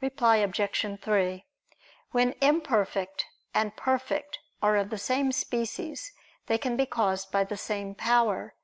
Reply Obj. 3: When imperfect and perfect are of the same species, they can be caused by the same power.